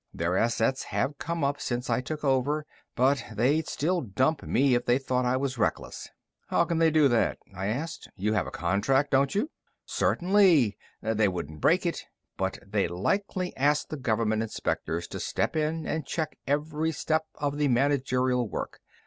Their assets have come up since I took over, but they'd still dump me if they thought I was reckless." "How can they do that?" I asked. "You have a contract, don't you?" "Certainly. They wouldn't break it. But they'd likely ask the Government Inspectors to step in and check every step of the managerial work.